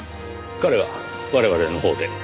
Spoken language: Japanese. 彼は我々のほうで。